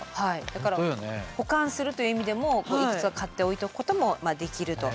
だから保管するという意味でもいくつか買って置いとくこともできると。